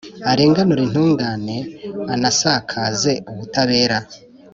arenganure intungane, anasakaze ubutabera.